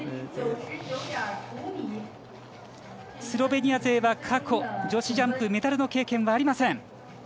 スロベニア勢は過去女子ジャンプメダルの経験はありません。